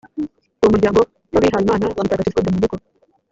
uwo muryango w’abihayimana ba mutagatifu dominiko,